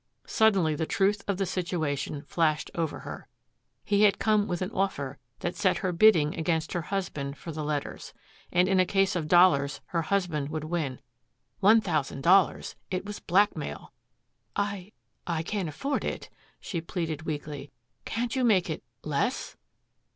Suddenly the truth of the situation flashed over her. He had come with an offer that set her bidding against her husband for the letters. And in a case of dollars her husband would win. One thousand dollars! It was blackmail. "I I can't afford it," she pleaded weakly. "Can't you make it less?"